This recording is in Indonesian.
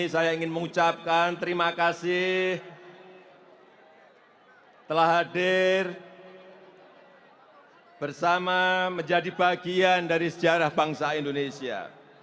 saya ingin mengucapkan terima kasih telah hadir bersama menjadi bagian dari sejarah bangsa indonesia